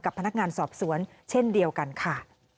พนักงานสอบสวนเช่นเดียวกันค่ะ